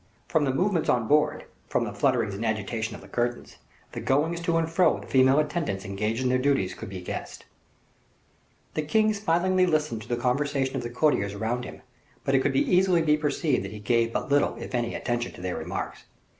From the movements on board from the flutterings and agitations of the curtains the goings to and fro of the female attendants engaged in their duties, could be guessed. The king smilingly listened to the conversation of the courtiers around him, but it could easily be perceived that he gave but little, if any, attention to their remarks.